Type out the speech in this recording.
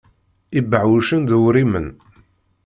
Ibeɛɛucen d uwrimen.